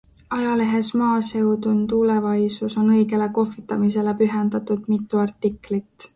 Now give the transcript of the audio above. Ajalehes Maaseudun Tulevaisuus on õigele kohvitamisele pühendatud mitu artiklilt.